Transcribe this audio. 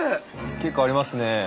結構ありますね。